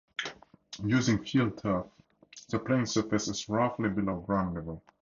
Using FieldTurf, the playing surface is roughly below ground level.